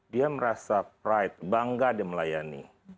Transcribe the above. dia merasa pride bangga dimelayani